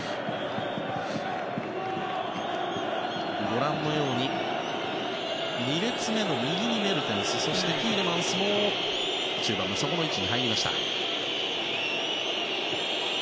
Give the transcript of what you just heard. ご覧のように２列目の右にメルテンスティーレマンスも中盤の底の位置に入りました。